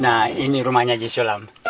nah ini rumahnya jisulam